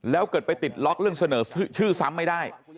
แล้วเกิดไปติดล็อกเรื่องเสนอชื่อซ้ำไม่ได้